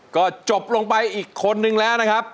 ก็จบลงไปอีกคนนึงแล้วนะครับ